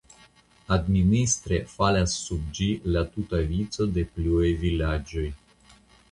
Administre falas sub ĝi la tuta vico de pluaj vilaĝoj.